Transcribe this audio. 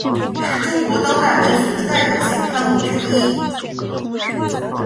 是中国当代文学的代表性刊物之一。